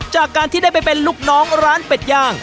จากการที่ได้ไปเป็นลูกน้องร้านเป็ดย่าง